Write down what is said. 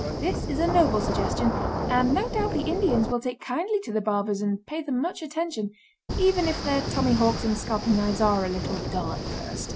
This is a noble suggestion, and no doubt the Indians will take kindly to the barbers and pay them much attention even if their tommyhawks and scalping knives are a little dull at first.